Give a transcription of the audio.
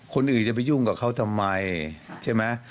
คนอื่นจะไปยุ่งกับเขาทำไมใช่ไหม